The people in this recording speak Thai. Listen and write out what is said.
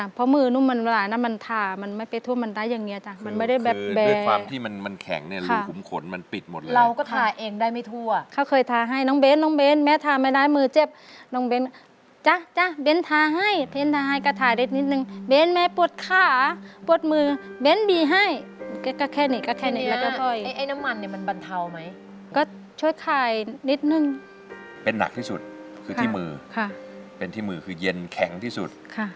เพราะมือนุ่มมันเวลานั้นมันทาไม่ได้แบบแบรนด์แบรนด์แบรนด์แบรนด์แบรนด์แบรนด์แบรนด์แบรนด์แบรนด์แบรนด์แบรนด์แบรนด์แบรนด์แบรนด์แบรนด์แบรนด์แบรนด์แบรนด์แบรนด์แบรนด์แบรนด์แบรนด์แบรนด์แบรนด์แบรนด์แบรนด์แบรนด์แบรนด์แบรนด์แบรนด์แบรนด์แบรนด์